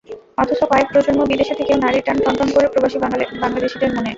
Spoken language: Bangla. অথচ কয়েক প্রজন্ম বিদেশে থেকেও নাড়ির টান টনটন করে প্রবাসী বাংলাদেশিদের মনে।